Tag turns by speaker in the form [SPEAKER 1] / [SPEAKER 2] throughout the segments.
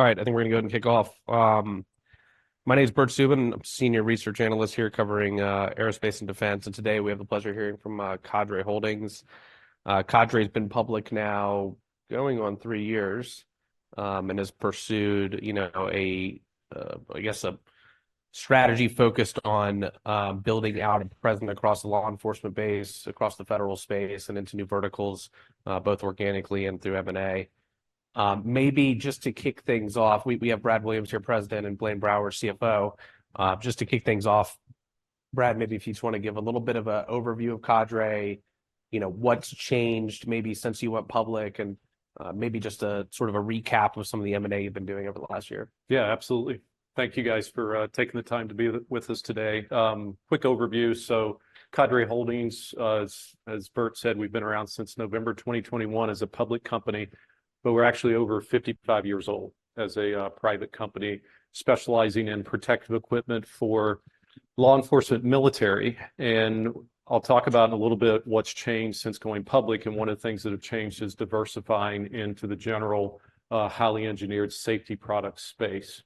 [SPEAKER 1] All right, I think we're gonna go ahead and kick off. My name is Bert Subin. I'm a Senior Research Analyst here covering Aerospace and Defense, and today we have the pleasure of hearing from Cadre Holdings. Cadre has been public now going on three years, and has pursued, you know, I guess, a strategy focused on building out a presence across the law enforcement base, across the federal space and into new verticals, both organically and through M&A. Maybe just to kick things off, we have Brad Williams here, President, and Blaine Brower, CFO. Just to kick things off, Brad, maybe if you just want to give a little bit of an overview of Cadre, you know, what's changed, maybe since you went public, and maybe just a sort of a recap of some of the M&A you've been doing over the last year.
[SPEAKER 2] Yeah, absolutely. Thank you guys for taking the time to be with us today. Quick overview, so Cadre Holdings, as Bert said, we've been around since November 2021 as a public company, but we're actually over 55 years old as a private company, specializing in protective equipment for law enforcement, military. And I'll talk about in a little bit what's changed since going public, and one of the things that have changed is diversifying into the general, highly engineered safety product space.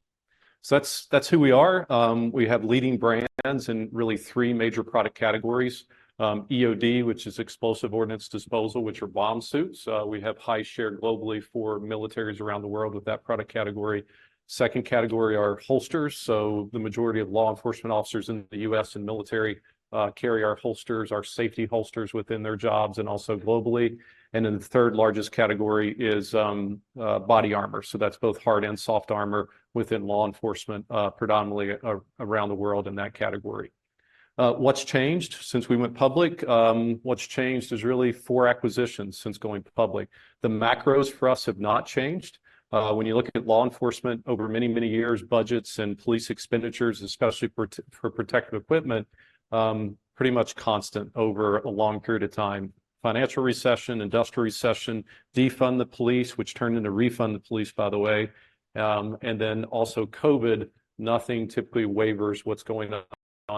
[SPEAKER 2] So that's, that's who we are. We have leading brands in really three major product categories: EOD, which is explosive ordnance disposal, which are bomb suits. We have high share globally for militaries around the world with that product category. Second category are holsters. So the majority of law enforcement officers in the U.S. and military carry our holsters, our safety holsters within their jobs and also globally. And then the third largest category is body armor. So that's both hard and soft armor within law enforcement, predominantly around the world in that category. What's changed since we went public? What's changed is really four acquisitions since going public. The macros for us have not changed. When you look at law enforcement over many, many years, budgets and police expenditures, especially for protective equipment, pretty much constant over a long period of time. Financial recession, industrial recession, Defund the Police, which turned into Refund the Police, by the way, and then also COVID. Nothing typically wavers what's going on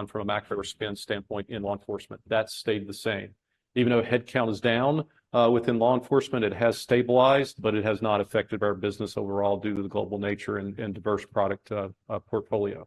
[SPEAKER 2] from a macro spend standpoint in law enforcement. That stayed the same. Even though headcount is down within law enforcement, it has stabilized, but it has not affected our business overall due to the global nature and diverse product portfolio.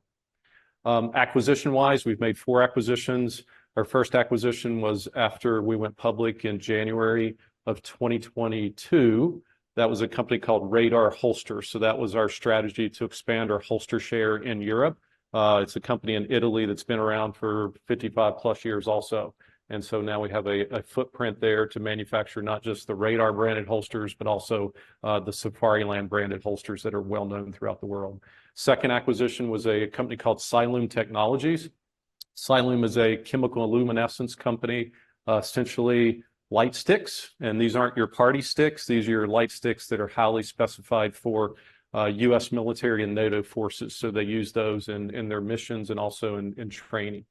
[SPEAKER 2] Acquisition-wise, we've made four acquisitions. Our first acquisition was after we went public in January of 2022. That was a company called Radar Holster. So that was our strategy to expand our holster share in Europe. It's a company in Italy that's been around for 55+ years also. And so now we have a footprint there to manufacture not just the Radar-branded holsters, but also the Safariland branded holsters that are well known throughout the world. Second acquisition was a company called Cyalume Technologies. Cyalume is a chemiluminescence company, essentially light sticks, and these aren't your party sticks, these are your light sticks that are highly specified for U.S. military and NATO forces. So they use those in, in their missions and also in, in training.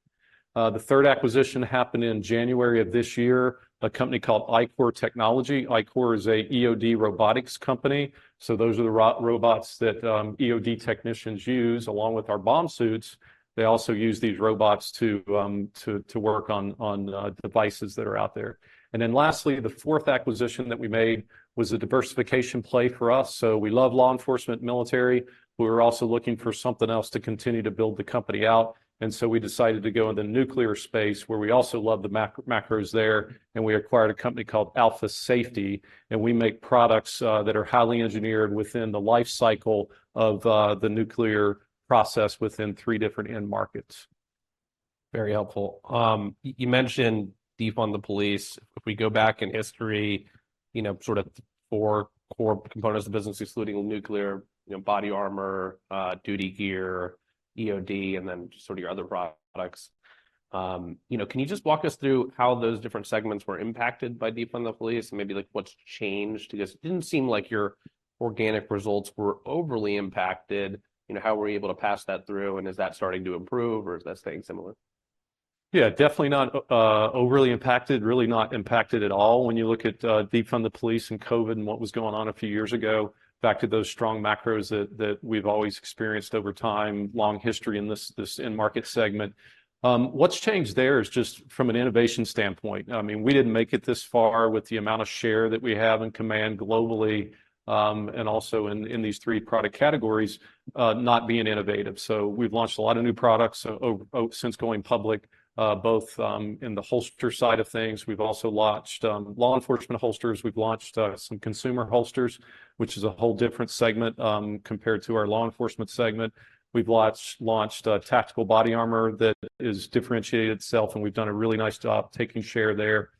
[SPEAKER 2] The third acquisition happened in January of this year, a company called ICOR Technology. ICOR is a EOD robotics company, so those are the robots that EOD technicians use. Along with our bomb suits, they also use these robots to work on devices that are out there. And then lastly, the fourth acquisition that we made was a diversification play for us. So we love law enforcement, military, but we're also looking for something else to continue to build the company out, and so we decided to go in the nuclear space, where we also love the macros there, and we acquired a company called Alpha Safety. And we make products that are highly engineered within the life cycle of the nuclear process within three different end markets.
[SPEAKER 1] Very helpful. You mentioned Defund the Police. If we go back in history, you know, sort of four core components of the business, excluding nuclear, you know, body armor, duty gear, EOD, and then just sort of your other products. You know, can you just walk us through how those different segments were impacted by Defund the Police? And maybe, like, what's changed? Because it didn't seem like your organic results were overly impacted. You know, how were you able to pass that through, and is that starting to improve, or is that staying similar?
[SPEAKER 2] Yeah, definitely not overly impacted, really not impacted at all when you look at Defund the Police and COVID and what was going on a few years ago. Back to those strong macros that we've always experienced over time, long history in this end market segment. What's changed there is just from an innovation standpoint. I mean, we didn't make it this far with the amount of share that we have in command globally, and also in these three product categories, not being innovative. So we've launched a lot of new products since going public, both in the holster side of things. We've also launched law enforcement holsters. We've launched some consumer holsters, which is a whole different segment compared to our law enforcement segment. We've launched a tactical body armor that has differentiated itself, and we've done a really nice job taking share there.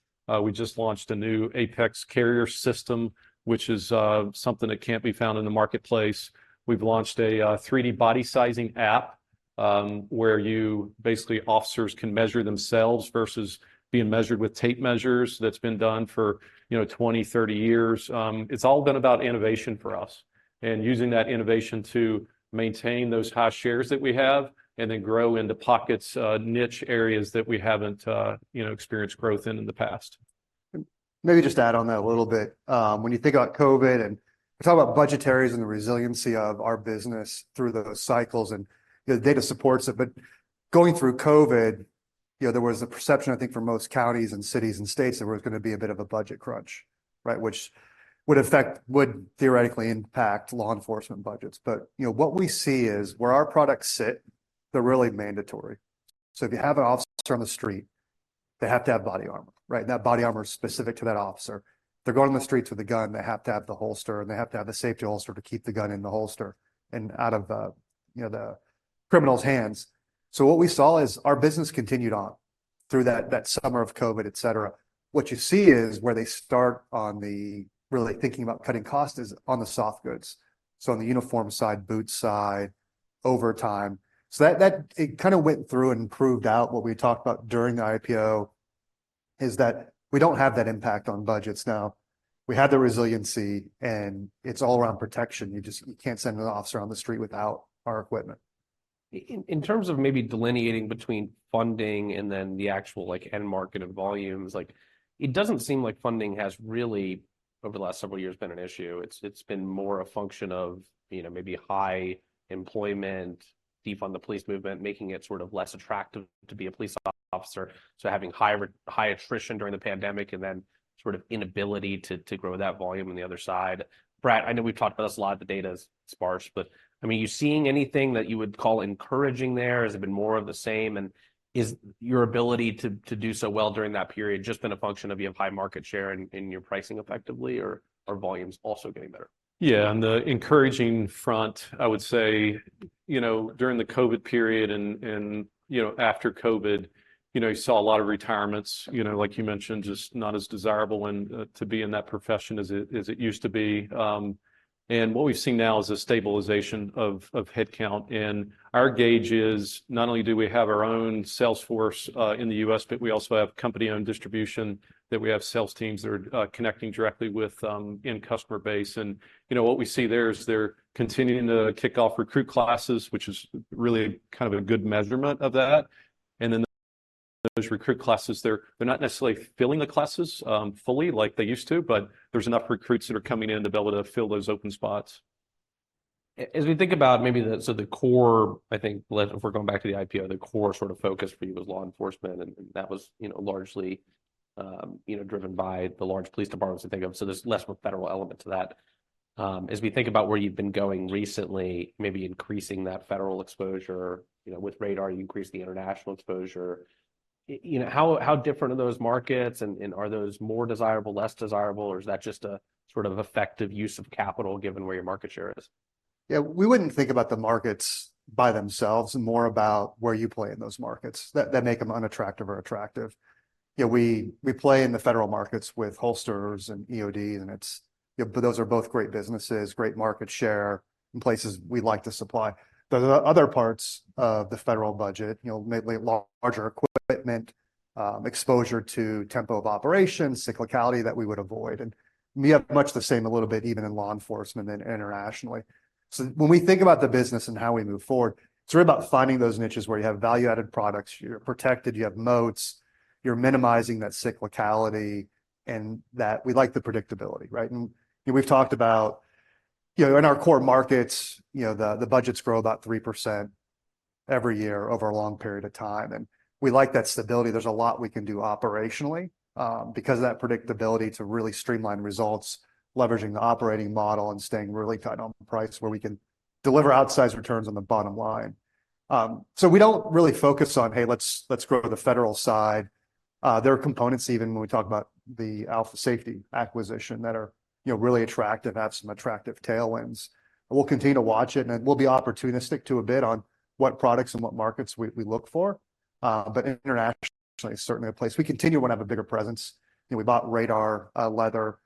[SPEAKER 2] We just launched a new Apex carrier system, which is something that can't be found in the marketplace. We've launched a 3-D body sizing app, where basically, officers can measure themselves versus being measured with tape measures that's been done for, you know, 20, 30 years. It's all been about innovation for us and using that innovation to maintain those high shares that we have and then grow into pockets, niche areas that we haven't, you know, experienced growth in in the past.
[SPEAKER 3] Maybe just add on that a little bit. When you think about COVID and we talk about budgetaries and the resiliency of our business through those cycles, and the data supports it, but going through COVID—you know, there was a perception, I think, for most counties, and cities, and states, there was gonna be a bit of a budget crunch, right? Which would theoretically impact law enforcement budgets. But, you know, what we see is, where our products sit, they're really mandatory. So if you have an officer on the street, they have to have body armor, right? And that body armor is specific to that officer. If they're going on the streets with a gun, they have to have the holster, and they have to have a safety holster to keep the gun in the holster and out of, you know, the criminal's hands. So what we saw is, our business continued on through that summer of COVID, et cetera. What you see is, where they start on the really thinking about cutting costs is on the soft goods, so on the uniform side, boot side, overtime. So that... It kind of went through and proved out what we talked about during the IPO, is that we don't have that impact on budgets now. We have the resiliency, and it's all around protection. You just can't send an officer on the street without our equipment.
[SPEAKER 1] In terms of maybe delineating between funding and then the actual, like, end market and volumes, like, it doesn't seem like funding has really, over the last several years, been an issue. It's been more a function of, you know, maybe high employment, Defund the Police movement, making it sort of less attractive to be a police officer, so having high attrition during the pandemic, and then sort of inability to grow that volume on the other side. Brad, I know we've talked about this a lot, the data is sparse, but, I mean, are you seeing anything that you would call encouraging there? Has it been more of the same? And is your ability to do so well during that period just been a function of you have high market share and your pricing effectively, or are volumes also getting better?
[SPEAKER 2] Yeah. On the encouraging front, I would say, you know, during the COVID period and, you know, after COVID, you know, you saw a lot of retirements. You know, like you mentioned, just not as desirable and to be in that profession as it used to be. And what we've seen now is a stabilization of headcount. And our gauge is, not only do we have our own sales force in the US, but we also have company-owned distribution, that we have sales teams that are connecting directly with end customer base. And, you know, what we see there is they're continuing to kick off recruit classes, which is really kind of a good measurement of that. And then those recruit classes, they're, they're not necessarily filling the classes fully, like they used to, but there's enough recruits that are coming in to be able to fill those open spots.
[SPEAKER 1] As we think about the core, I think, if we're going back to the IPO, the core sort of focus for you was law enforcement, and, and that was, you know, largely, you know, driven by the large police departments I think of, so there's less of a federal element to that. As we think about where you've been going recently, maybe increasing that federal exposure, you know, with Radar, you increased the international exposure. You know, how, how different are those markets, and, and are those more desirable, less desirable, or is that just a sort of effective use of capital, given where your market share is?
[SPEAKER 3] Yeah. We wouldn't think about the markets by themselves, more about where you play in those markets, that make them unattractive or attractive. Yeah, we play in the federal markets with holsters and EOD, and it's. Yeah, but those are both great businesses, great market share, and places we like to supply. There are other parts of the federal budget, you know, maybe larger equipment, exposure to tempo of operations, cyclicality that we would avoid. And we are much the same, a little bit, even in law enforcement and internationally. So when we think about the business and how we move forward, it's really about finding those niches where you have value-added products, you're protected, you have moats, you're minimizing that cyclicality, and that we like the predictability, right? You know, we've talked about, you know, in our core markets, you know, the budgets grow about 3% every year over a long period of time, and we like that stability. There's a lot we can do operationally because of that predictability to really streamline results, leveraging the operating model and staying really tight on the price, where we can deliver outsized returns on the bottom line. So we don't really focus on, "Hey, let's grow the federal side." There are components, even when we talk about the Alpha Safety acquisition, that are, you know, really attractive, have some attractive tailwinds. We'll continue to watch it, and we'll be opportunistic to a bit on what products and what markets we look for. But internationally is certainly a place we continue to want to have a bigger presence. You know, we bought Radar Leather,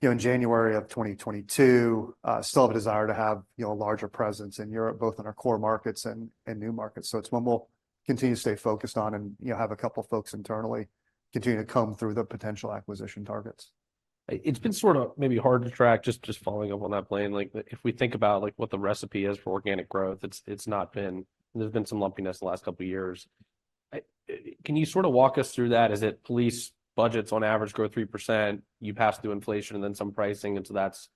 [SPEAKER 3] you know, in January of 2022. Still have a desire to have, you know, a larger presence in Europe, both in our core markets and new markets. So it's one we'll continue to stay focused on and, you know, have a couple of folks internally continuing to comb through the potential acquisition targets.
[SPEAKER 1] It's been sort of maybe hard to track, just following up on that plan. Like, if we think about, like, what the recipe is for organic growth, it's not been... There's been some lumpiness the last couple of years. Can you sort of walk us through that? Is it police budgets, on average, grow 3%, you pass through inflation and then some pricing, and so that's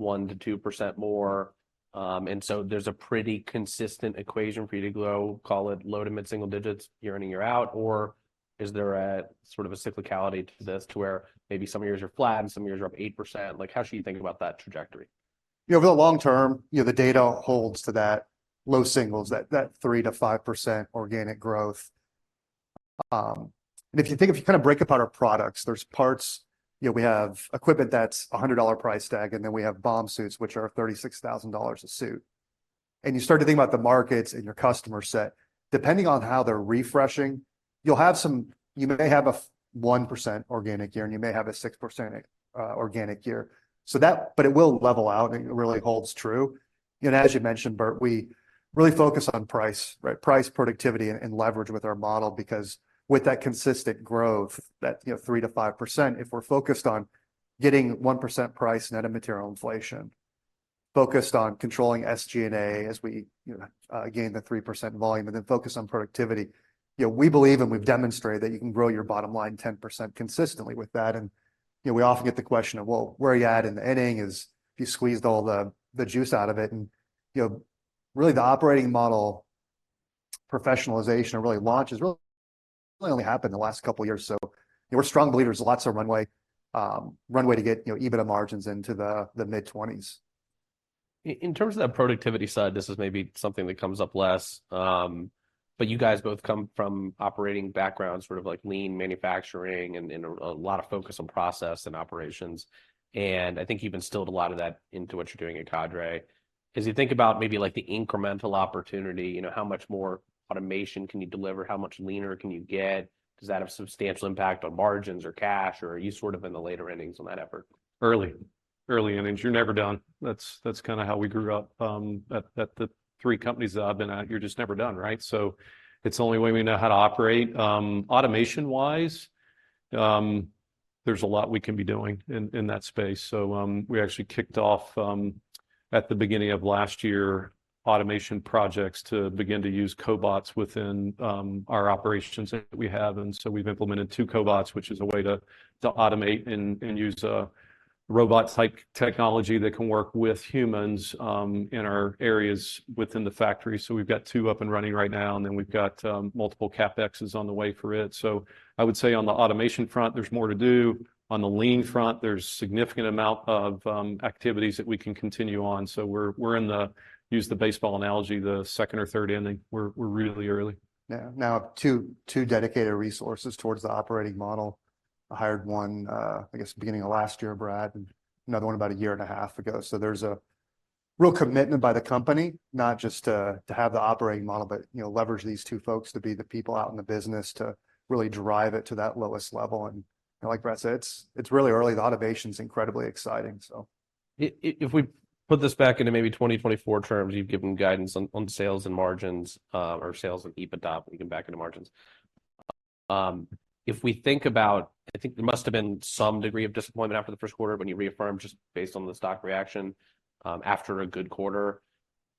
[SPEAKER 1] 1%-2% more, and so there's a pretty consistent equation for you to grow, call it low to mid-single digits year in, year out, or is there a sort of a cyclicality to this, to where maybe some years are flat and some years are up 8%? Like, how should you think about that trajectory?
[SPEAKER 3] You know, over the long term, you know, the data holds to that low singles, that 3%-5% organic growth. And if you kind of break apart our products, there's parts. You know, we have equipment that's $100 price tag, and then we have bomb suits, which are $36,000 a suit. And you start to think about the markets and your customer set. Depending on how they're refreshing, you may have a 1% organic year, and you may have a 6% organic year. But it will level out, and it really holds true. And as you mentioned, Bert, we really focus on price, right? Price, productivity, and leverage with our model, because with that consistent growth, that, you know, 3%-5%, if we're focused on getting 1% price net of material inflation, focused on controlling SG&A, as we, you know, gain the 3% volume, and then focus on productivity, you know, we believe, and we've demonstrated, that you can grow your bottom line 10% consistently with that. You know, we often get the question of, "Well, where are you at in the ending? Is- have you squeezed all the, the juice out of it?" You know, really the operating model professionalization and really launch has really only happened in the last couple of years. So we're strong believers, lots of runway, runway to get, you know, EBITDA margins into the mid-20s.
[SPEAKER 1] In terms of that productivity side, this is maybe something that comes up less, but you guys both come from operating backgrounds, sort of like lean manufacturing and, and a lot of focus on process and operations. And I think you've instilled a lot of that into what you're doing at Cadre. As you think about maybe, like, the incremental opportunity, you know, how much more automation can you deliver? How much leaner can you get? Does that have a substantial impact on margins or cash, or are you sort of in the later innings on that effort?
[SPEAKER 2] Early. Early innings. You're never done. That's, that's kind of how we grew up, at, at the three companies that I've been at. You're just never done, right? So it's the only way we know how to operate. Automation-wise, there's a lot we can be doing in, in that space. So, we actually kicked off, at the beginning of last year, automation projects to begin to use cobots within, our operations that we have. And so we've implemented two cobots, which is a way to, to automate and, and use, robot-type technology that can work with humans, in our areas within the factory. So we've got two up and running right now, and then we've got, multiple CapExes on the way for it. So I would say on the automation front, there's more to do. On the lean front, there's a significant amount of activities that we can continue on. So we're in the—use the baseball analogy—the second or third inning. We're really early.
[SPEAKER 3] Yeah. Now, two dedicated resources towards the operating model. I hired one, I guess, beginning of last year, Brad, and another one about a year and a half ago. So there's a real commitment by the company, not just to have the operating model, but, you know, leverage these two folks to be the people out in the business to really drive it to that lowest level. And, like Brad said, it's really early. The automation's incredibly exciting, so...
[SPEAKER 1] If we put this back into maybe 2024 terms, you've given guidance on sales and margins, or sales and EBITDA, we get back into margins. If we think about, I think there must have been some degree of disappointment after the first quarter when you reaffirmed, just based on the stock reaction, after a good quarter.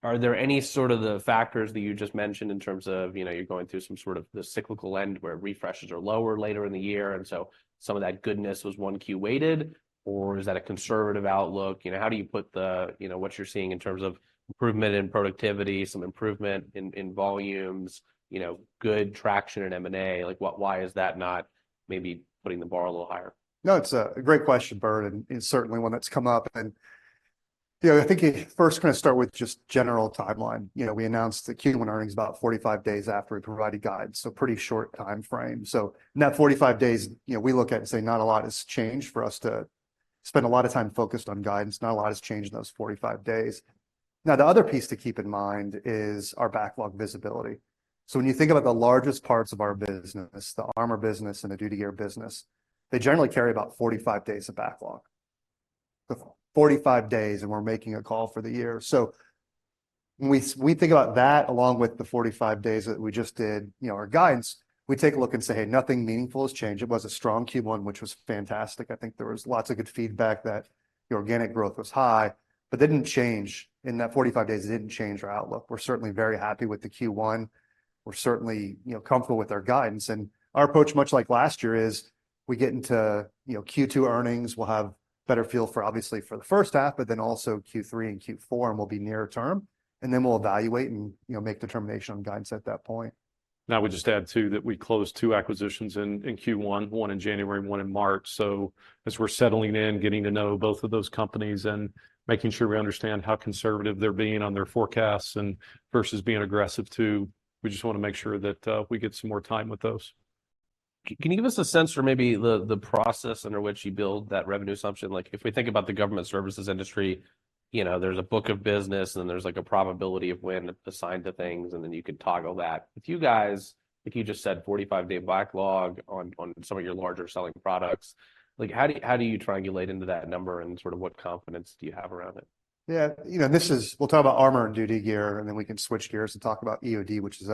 [SPEAKER 1] Are there any sort of the factors that you just mentioned in terms of, you know, you're going through some sort of the cyclical end, where refreshes are lower later in the year, and so some of that goodness was one Q weighted, or is that a conservative outlook? You know, how do you put the, you know, what you're seeing in terms of improvement in productivity, some improvement in volumes, you know, good traction in M&A? Like, why, why is that not maybe putting the bar a little higher?
[SPEAKER 3] No, it's a great question, Bert, and it's certainly one that's come up. And, you know, I think first can I start with just general timeline. You know, we announced the Q1 earnings about 45 days after we provided guidance, so pretty short time frame. So in that 45 days, you know, we look at and say not a lot has changed for us to spend a lot of time focused on guidance. Not a lot has changed in those 45 days. Now, the other piece to keep in mind is our backlog visibility. So when you think about the largest parts of our business, the armor business and the duty gear business, they generally carry about 45 days of backlog. The 45 days, and we're making a call for the year. So when we, we think about that, along with the 45 days that we just did, you know, our guidance, we take a look and say, "Hey, nothing meaningful has changed." It was a strong Q1, which was fantastic. I think there was lots of good feedback that the organic growth was high, but didn't change, in that 45 days, it didn't change our outlook. We're certainly very happy with the Q1. We're certainly, you know, comfortable with our guidance. And our approach, much like last year, is we get into, you know, Q2 earnings, we'll have better feel for obviously for the first half, but then also Q3 and Q4, and we'll be nearer term, and then we'll evaluate and, you know, make determination on guidance at that point. I would just add, too, that we closed two acquisitions in Q1, one in January and one in March. So as we're settling in, getting to know both of those companies and making sure we understand how conservative they're being on their forecasts, and versus being aggressive, too, we just wanna make sure that we get some more time with those.
[SPEAKER 1] Can you give us a sense for maybe the process under which you build that revenue assumption? Like, if we think about the government services industry, you know, there's a book of business, and then there's, like, a probability of when to assign the things, and then you can toggle that. With you guys, like, you just said, 45-day backlog on some of your larger selling products. Like, how do you triangulate into that number, and sort of what confidence do you have around it?
[SPEAKER 3] Yeah. You know, and this is... We'll talk about armor and duty gear, and then we can switch gears and talk about EOD, which is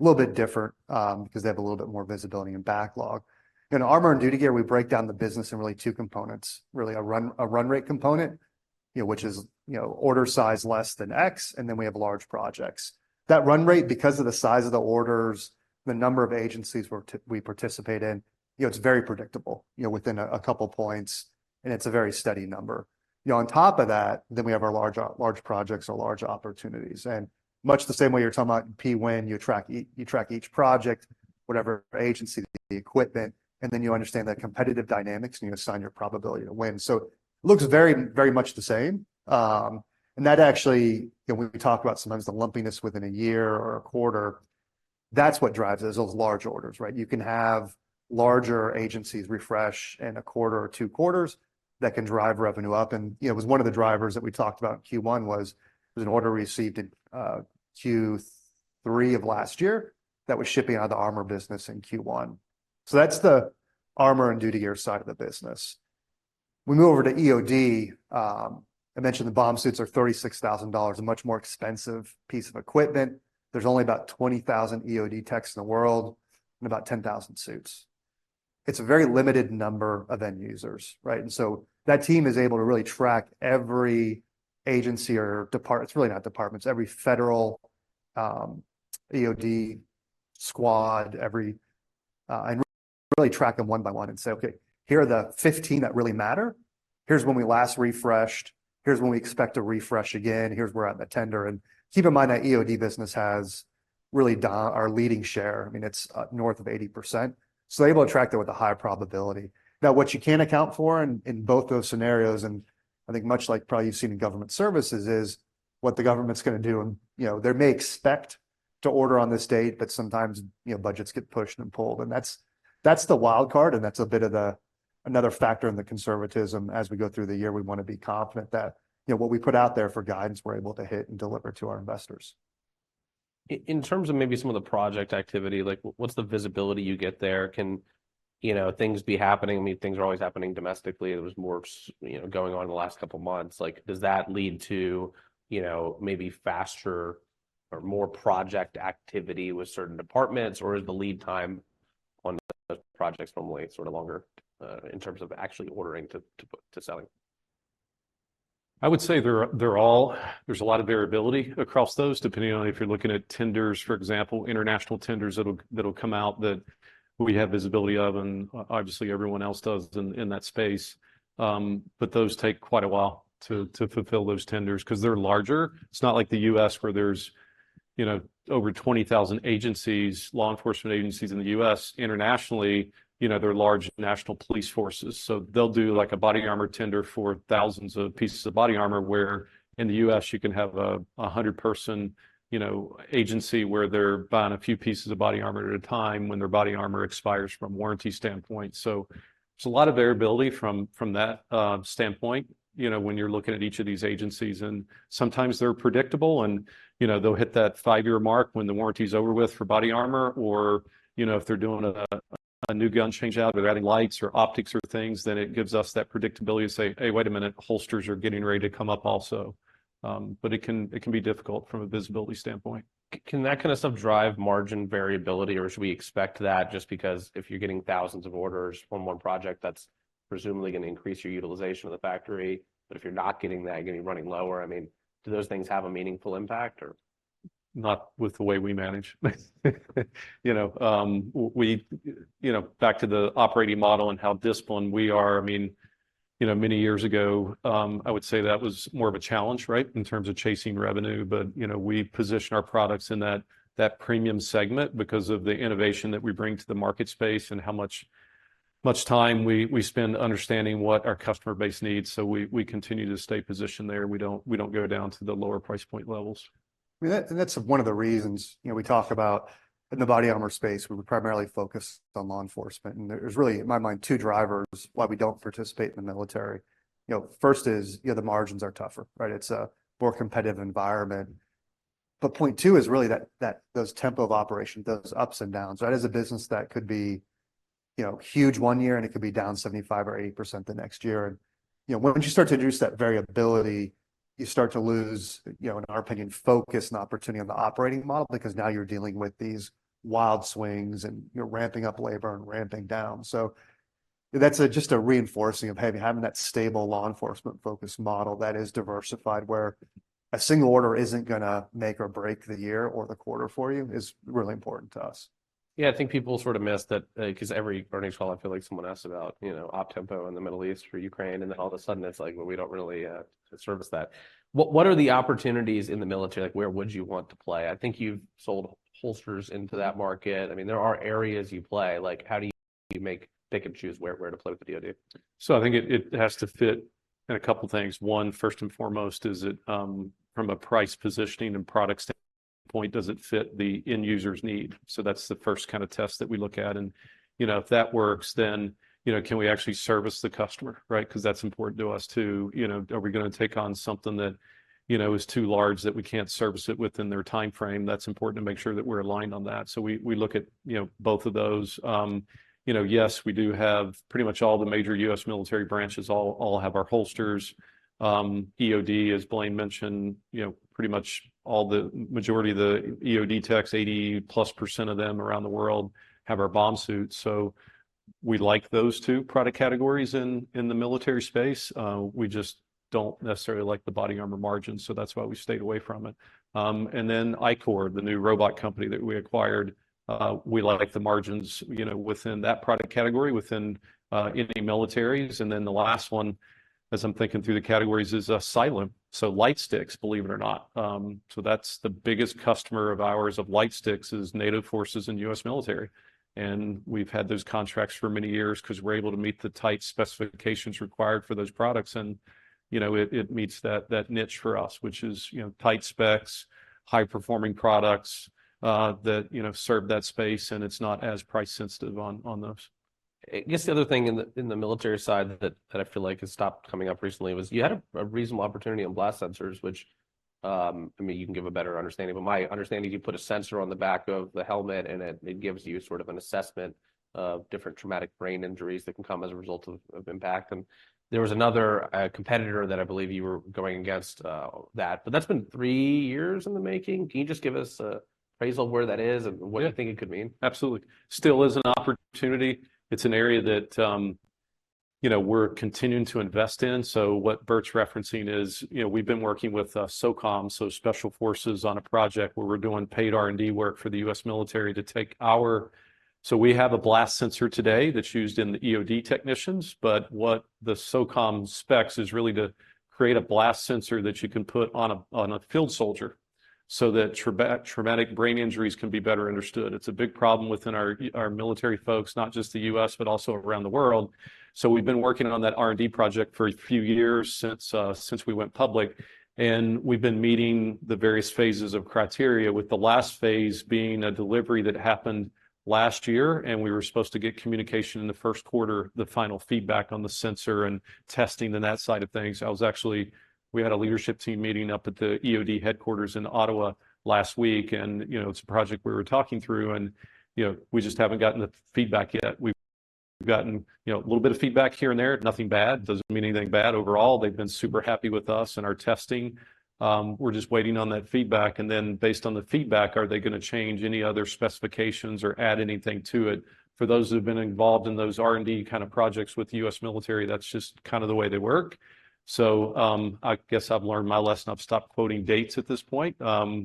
[SPEAKER 3] a little bit different, because they have a little bit more visibility and backlog. In armor and duty gear, we break down the business in really two components: really a run, a run rate component, you know, which is, you know, order size less than X, and then we have large projects. That run rate, because of the size of the orders, the number of agencies we participate in, you know, it's very predictable, you know, within a couple points, and it's a very steady number. You know, on top of that, then we have our large, large projects or large opportunities. And much the same way you're talking about PWin, you track e... You track each project, whatever agency, the equipment, and then you understand the competitive dynamics, and you assign your probability to win. So it looks very, very much the same. And that actually, you know, when we talk about sometimes the lumpiness within a year or a quarter, that's what drives those large orders, right? You can have larger agencies refresh in a quarter or two quarters that can drive revenue up. And, you know, it was one of the drivers that we talked about in Q1, was an order received in Q3 of last year that was shipping out of the armor business in Q1. So that's the armor and duty gear side of the business. We move over to EOD. I mentioned the bomb suits are $36,000, a much more expensive piece of equipment. There's only about 20,000 EOD techs in the world and about 10,000 suits. It's a very limited number of end users, right? And so that team is able to really track every agency or—it's really not departments, every federal EOD squad, and really track them one by one and say, "Okay, here are the 15 that really matter. Here's when we last refreshed. Here's when we expect to refresh again. Here's where we're at in the tender." And keep in mind, that EOD business has really our leading share, I mean, it's north of 80%, so they will track that with a high probability. Now, what you can't account for in both those scenarios, and I think much like probably you've seen in government services, is what the government's gonna do. You know, they may expect to order on this date, but sometimes, you know, budgets get pushed and pulled, and that's, that's the wild card, and that's a bit of the another factor in the conservatism. As we go through the year, we want to be confident that, you know, what we put out there for guidance, we're able to hit and deliver to our investors.
[SPEAKER 1] In terms of maybe some of the project activity, like what's the visibility you get there? Can, you know, things be happening? I mean, things are always happening domestically, and there was more, you know, going on in the last couple of months. Like, does that lead to, you know, maybe faster or more project activity with certain departments, or is the lead time on the projects normally sort of longer in terms of actually ordering to selling?
[SPEAKER 2] I would say there's a lot of variability across those, depending on if you're looking at tenders, for example, international tenders, that'll come out that we have visibility of, and obviously, everyone else does in that space. But those take quite a while to fulfill those tenders because they're larger. It's not like the U.S., where there's, you know, over 20,000 agencies, law enforcement agencies in the U.S. Internationally, you know, there are large national police forces, so they'll do like a body armor tender for thousands of pieces of body armor, where in the U.S. you can have a 100-person, you know, agency where they're buying a few pieces of body armor at a time when their body armor expires from a warranty standpoint. So there's a lot of variability from that standpoint, you know, when you're looking at each of these agencies, and sometimes they're predictable and, you know, they'll hit that five-year mark when the warranty is over with for body armor or, you know, if they're doing a new gun change out or adding lights or optics or things, then it gives us that predictability to say, "Hey, wait a minute, holsters are getting ready to come up also." But it can be difficult from a visibility standpoint.
[SPEAKER 1] Can that kind of stuff drive margin variability, or should we expect that just because if you're getting thousands of orders from one project, that's presumably going to increase your utilization of the factory, but if you're not getting that, getting running lower, I mean, do those things have a meaningful impact, or?
[SPEAKER 2] Not with the way we manage. You know, we, you know, back to the operating model and how disciplined we are, I mean, you know, many years ago, I would say that was more of a challenge, right? In terms of chasing revenue. But, you know, we position our products in that premium segment because of the innovation that we bring to the market space and how much time we spend understanding what our customer base needs. So we continue to stay positioned there, and we don't go down to the lower price point levels.
[SPEAKER 3] I mean, and that's one of the reasons, you know, we talk about in the body armor space, we were primarily focused on law enforcement. And there's really, in my mind, two drivers why we don't participate in the military. You know, first is, you know, the margins are tougher, right? It's a more competitive environment. But point two is really that those tempo of operation, those ups and downs, right? As a business, that could be, you know, huge one year, and it could be down 75% or 80% the next year. And, you know, once you start to introduce that variability, you start to lose, you know, in our opinion, focus and opportunity on the operating model, because now you're dealing with these wild swings, and you're ramping up labor and ramping down. That's just a reinforcing of, hey, we're having that stable law enforcement-focused model that is diversified, where a single order isn't gonna make or break the year or the quarter for you, is really important to us.
[SPEAKER 1] Yeah, I think people sort of miss that, because every earnings call, I feel like someone asks about, you know, OPTEMPO in the Middle East or Ukraine, and then all of a sudden, it's like, well, we don't really service that. What are the opportunities in the military? Like, where would you want to play? I think you've sold holsters into that market. I mean, there are areas you play. Like, how do you make, pick and choose where to play with the idea?
[SPEAKER 2] So I think it has to fit in a couple of things. One, first and foremost, is it, from a price positioning and product standpoint, does it fit the end user's need? So that's the first kind of test that we look at. And, you know, if that works, then, you know, can we actually service the customer, right? Because that's important to us, too. You know, are we gonna take on something that, you know, is too large, that we can't service it within their timeframe? That's important to make sure that we're aligned on that. So we look at, you know, both of those. You know, yes, we do have pretty much all the major U.S. military branches, all have our holsters. EOD, as Blaine mentioned, you know, pretty much all the majority of the EOD techs, 80%+ of them around the world have our bomb suit. So we like those two product categories in the military space. We just don't necessarily like the body armor margins, so that's why we stayed away from it. And then ICOR, the new robot company that we acquired, we like the margins, you know, within that product category, in the militaries. And then the last one, as I'm thinking through the categories, is Cyalume. So light sticks, believe it or not. So that's the biggest customer of ours of light sticks, is NATO forces and US Military, and we've had those contracts for many years because we're able to meet the tight specifications required for those products. You know, it meets that niche for us, which is, you know, tight specs, high-performing products that you know serve that space, and it's not as price sensitive on those.
[SPEAKER 1] I guess the other thing in the military side that I feel like has stopped coming up recently was you had a reasonable opportunity on blast sensors, which, I mean, you can give a better understanding, but my understanding, you put a sensor on the back of the helmet, and it gives you sort of an assessment of different traumatic brain injuries that can come as a result of impact. And there was another competitor that I believe you were going against, but that's been three years in the making. Can you just give us a appraisal of where that is and-
[SPEAKER 2] Yeah...
[SPEAKER 1] what you think it could mean?
[SPEAKER 2] Absolutely. Still is an opportunity. It's an area that, you know, we're continuing to invest in, so what Bert's referencing is, you know, we've been working with SOCOM, so Special Forces, on a project where we're doing paid R&D work for the U.S. military to take our. So we have a blast sensor today that's used by the EOD technicians, but what the SOCOM specs is really to create a blast sensor that you can put on a field soldier, so that traumatic brain injuries can be better understood. It's a big problem within our military folks, not just the U.S., but also around the world. So we've been working on that R&D project for a few years since, since we went public, and we've been meeting the various phases of criteria, with the last phase being a delivery that happened last year, and we were supposed to get communication in the first quarter, the final feedback on the sensor and testing and that side of things. I was actually-- We had a leadership team meeting up at the EOD headquarters in Ottawa last week, and, you know, it's a project we were talking through, and, you know, we just haven't gotten the feedback yet. We've gotten, you know, a little bit of feedback here and there. Nothing bad. Doesn't mean anything bad. Overall, they've been super happy with us and our testing. We're just waiting on that feedback, and then, based on the feedback, are they gonna change any other specifications or add anything to it? For those who've been involved in those R&D kind of projects with the U.S. Military, that's just kind of the way they work. So, I guess I've learned my lesson. I've stopped quoting dates at this point.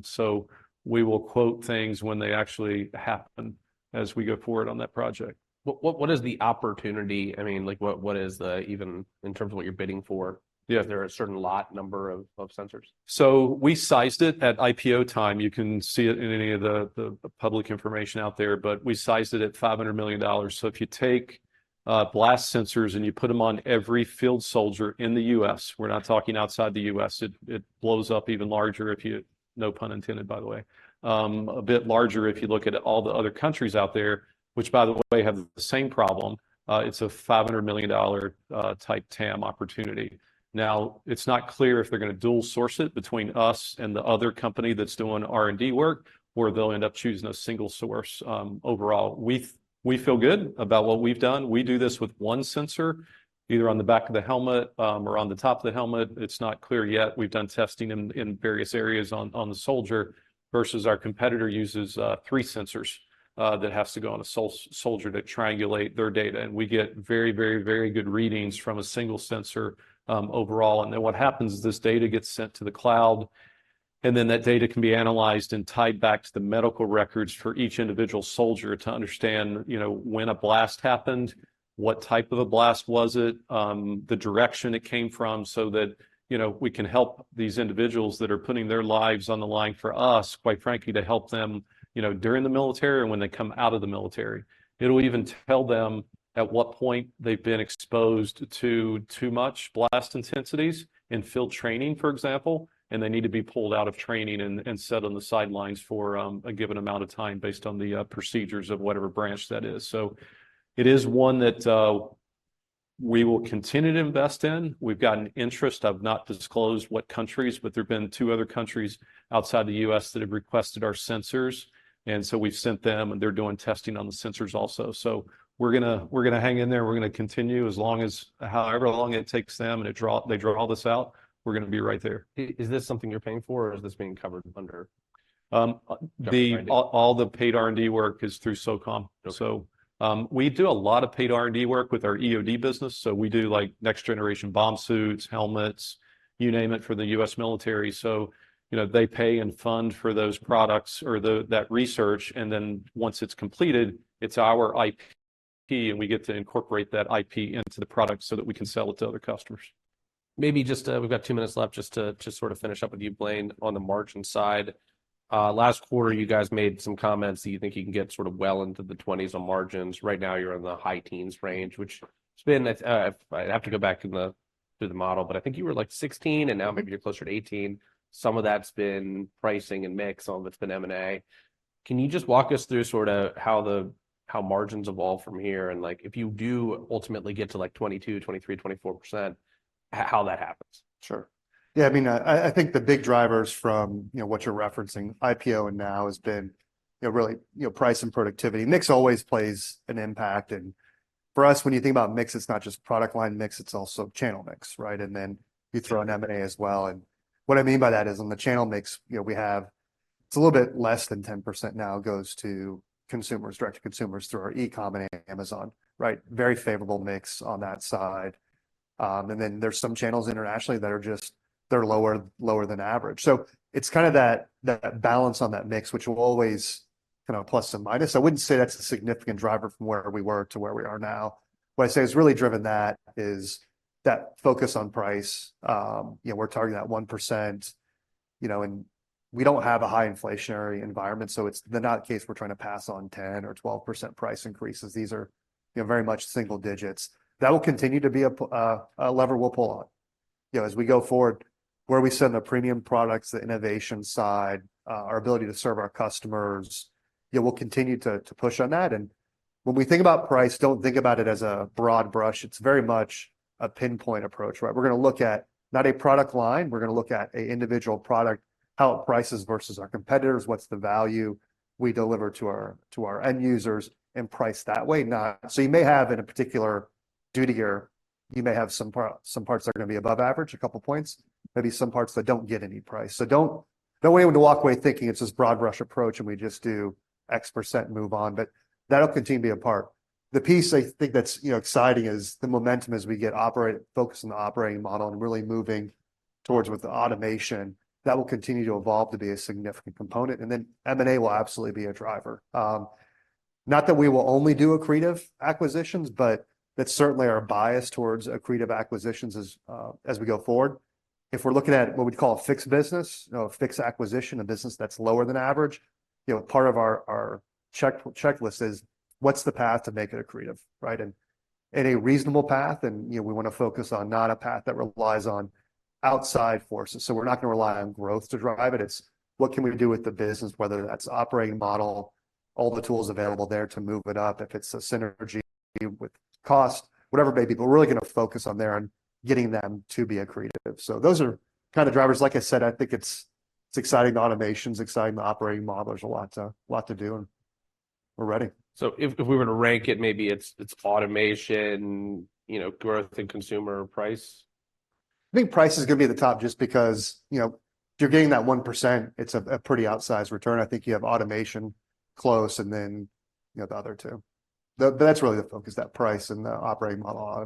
[SPEAKER 2] So we will quote things when they actually happen as we go forward on that project.
[SPEAKER 1] What is the opportunity? I mean, like, what is the... even in terms of what you're bidding for-
[SPEAKER 2] Yeah
[SPEAKER 1] Is there a certain lot number of sensors?
[SPEAKER 2] So we sized it at IPO time. You can see it in any of the, the public information out there, but we sized it at $500 million. So if you take, blast sensors and you put them on every field soldier in the U.S., we're not talking outside the U.S., it, it blows up even larger if you... No pun intended, by the way. A bit larger if you look at all the other countries out there, which, by the way, have the same problem. It's a $500 million type TAM opportunity. Now, it's not clear if they're gonna dual source it between us and the other company that's doing R&D work, or if they'll end up choosing a single source. Overall, we, we feel good about what we've done. We do this with one sensor, either on the back of the helmet, or on the top of the helmet. It's not clear yet. We've done testing in various areas on the soldier, versus our competitor uses three sensors that has to go on a soldier to triangulate their data, and we get very, very, very good readings from a single sensor, overall. And then what happens is this data gets sent to the cloud, and then that data can be analyzed and tied back to the medical records for each individual soldier to understand, you know, when a blast happened, what type of a blast was it, the direction it came from, so that, you know, we can help these individuals that are putting their lives on the line for us, quite frankly, to help them, you know, during the military and when they come out of the military. It'll even tell them at what point they've been exposed to too much blast intensities in field training, for example, and they need to be pulled out of training and set on the sidelines for a given amount of time based on the procedures of whatever branch that is. So it is one that, we will continue to invest in. We've got an interest. I've not disclosed what countries, but there have been two other countries outside the U.S. that have requested our sensors, and so we've sent them, and they're doing testing on the sensors also. So we're gonna, we're gonna hang in there, and we're gonna continue as long as however long it takes them, and to draw—they draw all this out, we're gonna be right there.
[SPEAKER 1] Is this something you're paying for, or is this being covered under the-
[SPEAKER 2] All the paid R&D work is through SOCOM.
[SPEAKER 1] Okay.
[SPEAKER 2] So, we do a lot of paid R&D work with our EOD business, so we do, like, next generation bomb suits, helmets, you name it, for the U.S. military. So, you know, they pay and fund for those products or the, that research, and then, once it's completed, it's our IP, and we get to incorporate that IP into the product so that we can sell it to other customers.
[SPEAKER 1] Maybe just, we've got two minutes left just to, just sort of finish up with you, Blaine, on the margin side. Last quarter, you guys made some comments that you think you can get sort of well into the 20s on margins. Right now, you're in the high teens range, which has been, I'd have to go back to the, to the model, but I think you were, like, 16, and now maybe you're closer to 18. Some of that's been pricing and mix on what's been M&A. Can you just walk us through sort of how the, how margins evolve from here, and, like, if you do ultimately get to, like, 22, 23, 24%, how that happens?
[SPEAKER 3] Sure. Yeah, I mean, I think the big drivers from, you know, what you're referencing, IPO and now, has been, you know, really, you know, price and productivity. Mix always plays an impact, and for us, when you think about mix, it's not just product line mix, it's also channel mix, right? And then you throw in M&A as well, and what I mean by that is, on the channel mix, you know, we have. It's a little bit less than 10% now goes to consumers, direct to consumers through our e-com and Amazon, right? Very favorable mix on that side. And then there's some channels internationally that are just, they're lower, lower than average. So it's kind of that, that balance on that mix, which will always kind of plus and minus. I wouldn't say that's a significant driver from where we were to where we are now. What I'd say has really driven that is that focus on price. You know, we're targeting that 1%, you know, and we don't have a high inflationary environment, so it's not the case we're trying to pass on 10% or 12% price increases. These are, you know, very much single digits. That will continue to be a lever we'll pull on. You know, as we go forward, where we send the premium products, the innovation side, our ability to serve our customers, yeah, we'll continue to push on that, and when we think about price, don't think about it as a broad brush. It's very much a pinpoint approach, right? We're gonna look at not a product line, we're gonna look at an individual product, how it prices versus our competitors, what's the value we deliver to our, to our end users, and price that way, not... So you may have, in a particular duty year, you may have some parts that are gonna be above average a couple points, maybe some parts that don't get any price. So don't, don't want anyone to walk away thinking it's this broad brush approach, and we just do X% and move on, but that'll continue to be a part. The piece I think that's, you know, exciting is the momentum as we get operationally focused on the operating model and really moving towards with the automation. That will continue to evolve to be a significant component, and then M&A will absolutely be a driver. Not that we will only do accretive acquisitions, but that's certainly our bias towards accretive acquisitions as we go forward. If we're looking at what we'd call a fixed business, you know, a fixed acquisition, a business that's lower than average, you know, part of our checklist is: What's the path to make it accretive, right? And any reasonable path, and, you know, we wanna focus on not a path that relies on outside forces. So we're not gonna rely on growth to drive it. It's what can we do with the business, whether that's operating model, all the tools available there to move it up, if it's a synergy with cost, whatever it may be, but we're really gonna focus on there, on getting them to be accretive. So those are kind of drivers. Like I said, I think it's exciting. Automation's exciting, the operating model. There's a lot to do, and we're ready.
[SPEAKER 1] So if we were to rank it, maybe it's automation, you know, growth and consumer price?
[SPEAKER 3] I think price is gonna be at the top just because, you know, if you're getting that 1%, it's a pretty outsized return. I think you have automation close, and then, you know, the other two. But that's really the focus, that price and the operating model op-